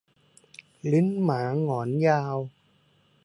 ลิ้นหมาหงอนยาว